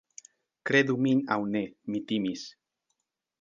Kredu min aŭ ne, mi timis...